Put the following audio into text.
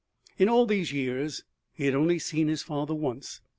In all these years he had only seen his father once.